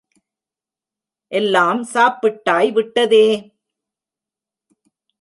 எல்லாம் சாப்பிட்டாய் விட்டதே!